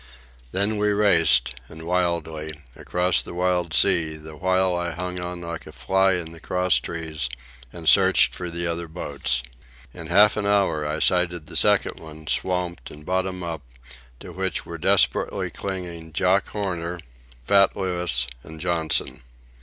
Then we raced, and wildly, across the wild sea, the while I hung like a fly in the crosstrees and searched for the other boats. In half an hour I sighted the second one, swamped and bottom up, to which were desperately clinging Jock Horner, fat Louis, and Johnson.